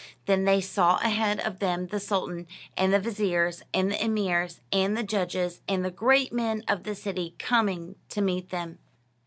Then they saw ahead of them the sultan, and the vizirs, and the emirs, and the judges, and the great men of the city, coming to meet them.